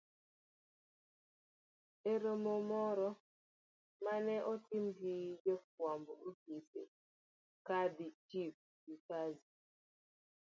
E romo moro ma ne otim gi jofwambo e ofise, Kadhi Chief Mkazi,